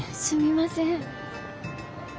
すみません。